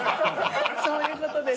そういうことです。